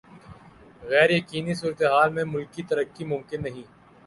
غیر یقینی صورتحال میں ملکی ترقی ممکن نہیں